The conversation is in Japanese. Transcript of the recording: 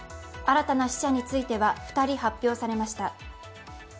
新たな死者については２人発表されました。